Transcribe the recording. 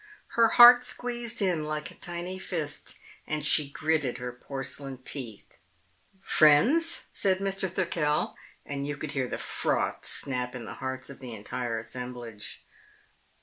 Her heart squeezed in like a tiny fist, and she gritted her porcelain teeth. "Friends," said Mr. Thirkell, and you could hear the frost snap in the hearts of the entire assemblage.